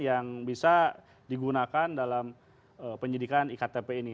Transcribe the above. yang bisa digunakan dalam penyidikan iktp ini